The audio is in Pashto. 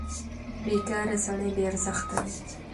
بېکاره سړی بې ارزښته دی.